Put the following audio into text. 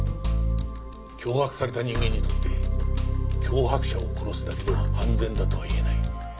脅迫された人間にとって脅迫者を殺すだけでは安全だとは言えない。